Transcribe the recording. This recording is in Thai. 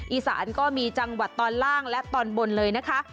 อีสานก็มีจังหวัดตอนล่างและตอนบนเลยนะคะ